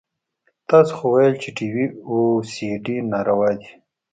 تاسو خو ويل چې ټي وي او سي ډي ناروا دي.